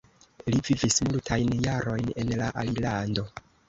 Li vivis multajn jarojn en la alilando.